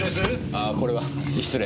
ああこれは失礼。